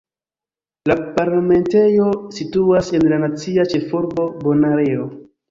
La parlamentejo situas en la nacia ĉefurbo Bonaero.